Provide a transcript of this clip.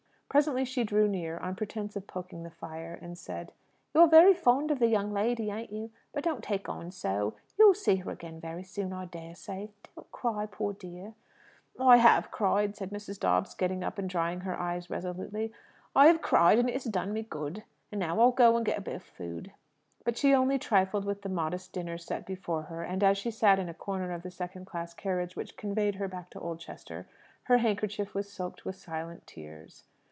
Presently she drew near, on pretence of poking the fire, and said "You're very fond of the young lady, ain't you? But don't take on so. You'll see her again very soon, I dare say. Don't cry, poor dear!" "I have cried," said Mrs. Dobbs, getting up and drying her eyes resolutely. "I have cried, and it's done me good. And now I'll go and get a bit of food." But she only trifled with the modest dinner set before her; and, as she sat in a corner of the second class carriage which conveyed her back to Oldchester, her handkerchief was soaked with silent tears.